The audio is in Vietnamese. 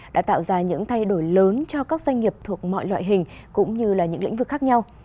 đã tạo ra những thay đổi lớn cho các doanh nghiệp thuộc mọi loại hình cũng như là những lĩnh vực khác nhau